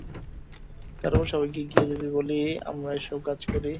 তার উপর সবাইকে গিয়ে বলে দিবে আমরা এসব কাজ করি।